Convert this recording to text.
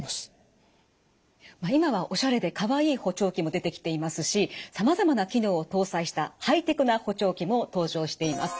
今はオシャレでかわいい補聴器も出てきていますしさまざまな機能を搭載したハイテクな補聴器も登場しています。